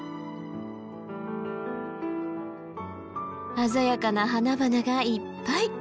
鮮やかな花々がいっぱい。